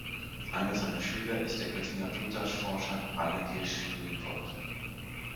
Einer seiner Schüler ist der Göttinger Plutarch-Forscher Rainer Hirsch-Luipold.